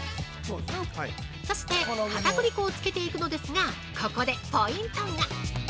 そして、かたくり粉をつけていくのですがここでポイントが！